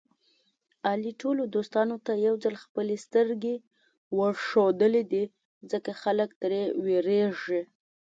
علي ټولو دوستانو ته یوځل خپلې سترګې ورښودلې دي. ځکه خلک تر وېرېږي.